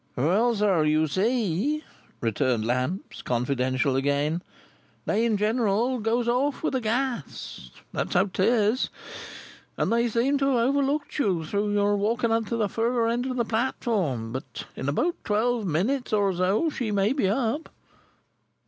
"Well, sir, you see," returned Lamps, confidential again, "they in general goes off with the gas. That's how it is. And they seem to have overlooked you, through your walking to the furder end of the platform. But in about twelve minutes or so, she may be up."